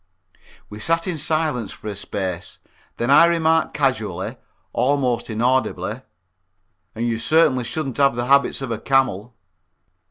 We sat in silence for a space, then I remarked casually, almost inaudibly, "and you certainly shouldn't have the habits of a camel."